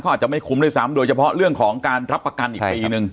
อาจจะไม่คุ้มด้วยซ้ำโดยเฉพาะเรื่องของการรับประกันอีกปีนึง